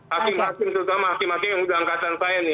hakim hakim terutama hakim hakim yang sudah angkatan saya nih